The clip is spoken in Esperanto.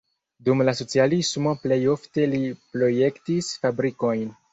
Dum la socialismo plej ofte li projektis fabrikojn.